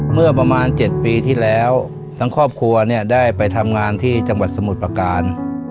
เมื่อประมาณ๗ปีที่แล้วทั้งครอบครัวเนี่ยได้ไปทำงานที่จังหวัดสมุทรประการ